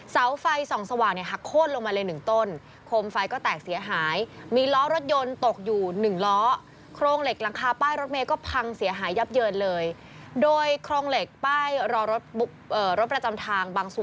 เสาไฟส่องสว่างเนี่ยค่ะโค้ดลงมาเลยหนึ่งต้น